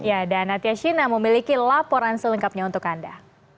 ya dan natyashina memiliki laporan selengkapnya untuk anda